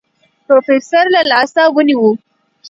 پروفيسر له لاسه ونيو.